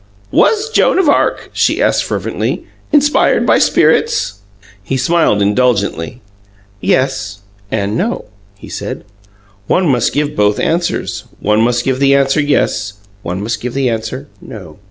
"WAS Joan of Arc," she asked fervently, "inspired by spirits?" He smiled indulgently. "Yes and no," he said. "One must give both answers. One must give the answer, yes; one must give the answer, no."